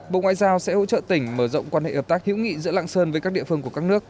bộ ngoại giao sẽ hỗ trợ tỉnh mở rộng quan hệ hợp tác hữu nghị giữa lạng sơn với các địa phương của các nước